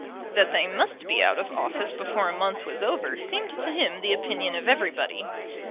That they must be out of office before a month was over seemed to him the opinion of everybody.